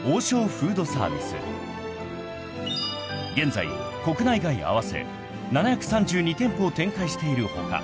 ［現在国内外合わせ７３２店舗を展開している他